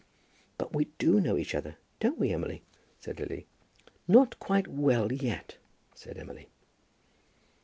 "But we do know each other; don't we, Emily?" said Lily. "Not quite well yet," said Emily.